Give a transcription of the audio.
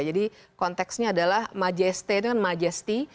jadi konteksnya adalah majesté itu kan majesty